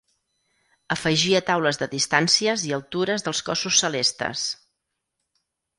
Afegia taules de distàncies i altures dels cossos celestes.